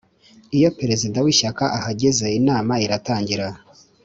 iyo perezida w ishyaka ahageze inama iratangira